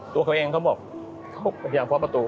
ตัวเขาเองเขาบอกเขาไปที่ยามพอดประตู